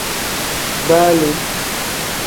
Baa le.